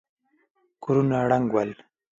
کورونه ړنګ ول.